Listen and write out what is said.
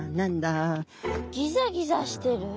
ギザギザしてる？